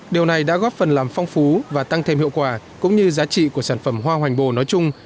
điều này đã góp phần làm phong phú và tăng thêm hiệu quả cũng như giá trị của sản phẩm hoa hoành bồ nói chung